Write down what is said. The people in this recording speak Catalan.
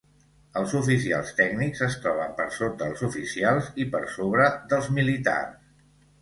Els oficials tècnics es troben per sota els oficials i per sobre dels militars.